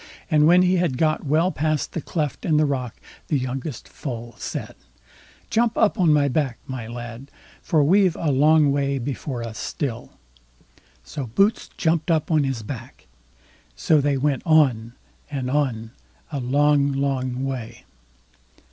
And when he had got well past the cleft in the rock, the youngest foal said: "Jump up on my back, my lad, for we've a long way before us still." So Boots jumped up on his back. So they went on, and on, a long, long way.